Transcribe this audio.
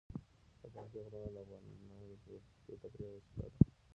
پابندی غرونه د افغانانو د تفریح یوه وسیله ده.